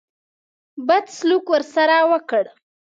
بد سلوک ورسره وکړ.